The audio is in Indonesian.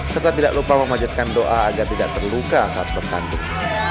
serta tidak lupa memanjatkan doa agar tidak terluka saat bertanduk